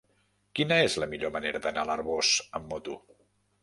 Quina és la millor manera d'anar a l'Arboç amb moto?